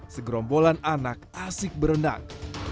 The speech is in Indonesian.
segerombolan anak asik berenang